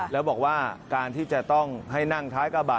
แล้วบอกว่าการที่จะต้องให้นั่งท้ายกระบะ